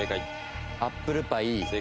アップルパイ。